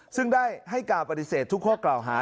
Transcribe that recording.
ซึ่งได้ให้การปฏิเสธทุกข้อกล่าวหา